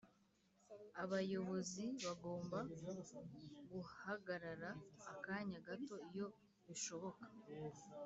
abayobozi bagomba guhagarara akanya gato iyo bishoboka